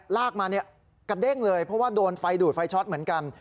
ลากมาเนี่ยกระเด้งเลยเพราะว่าโดนไฟดูดไฟช็อตเหมือนกัน